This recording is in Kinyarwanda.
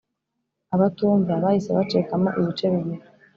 Abatumva bahise bacikamo ibice bibiri.